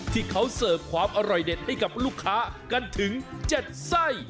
ที่เขาเสิร์ฟความอร่อยเด็ดให้กับลูกค้ากันถึง๗ไส้